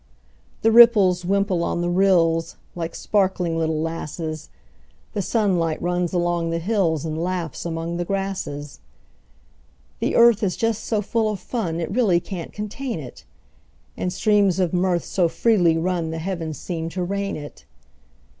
The ripples wimple on the rills, Like sparkling little lasses; The sunlight runs along the hills, And laughs among the grasses. The earth is just so full of fun It really can't contain it; And streams of mirth so freely run The heavens seem to rain it.